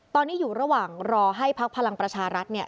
ตอนนี้อยู่ระหว่างรอให้พักพลังประชารัฐเนี่ย